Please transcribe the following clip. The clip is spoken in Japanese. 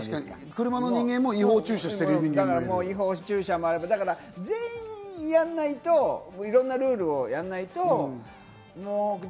車の人間も違法駐車している人間も全員やらないと、いろんなルールをやらないと。